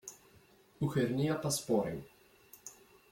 Ukren-iyi apaspuṛ-iw.